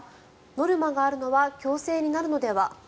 ノルマがあるのは強制になるのでは？